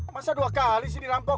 masa dua kali sih dirampok